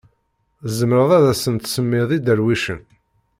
Tzemreḍ ad asen-tsemmiḍ iderwicen.